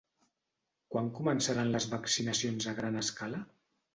Quan començaran les vaccinacions a gran escala?